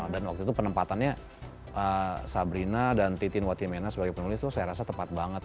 dan waktu itu penempatannya sabrina dan titi nwati menas sebagai penulis tuh saya rasa tepat banget